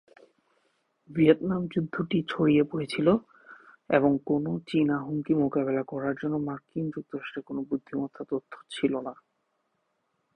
Vietnam যুদ্ধটি ছড়িয়ে পড়েছিল এবং কোনও চীনা হুমকি মোকাবেলা করার জন্য মার্কিন যুক্তরাষ্ট্রের কোন বুদ্ধিমত্তা তথ্য ছিল না।